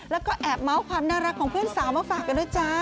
แล้วก็แอบเมาส์ความน่ารักของเพื่อนสาวมาฝากกันด้วยจ้า